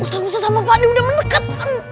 ustadz musa sama pak ade udah mendeket